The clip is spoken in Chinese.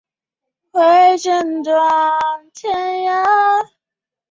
国名也改为匈牙利人民共和国。